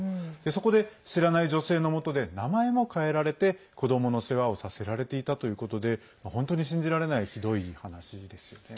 そこで知らない女性の下で名前も変えられて子どもの世話をさせられていたということで本当に信じられないひどい話ですよね。